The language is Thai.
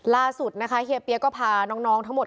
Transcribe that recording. ล่าสุดนะคะเฮียเปี๊ยกก็พาน้องทั้งหมด